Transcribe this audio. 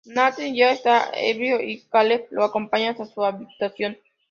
Nathan ya está ebrio, y Caleb lo acompaña hasta su habitación.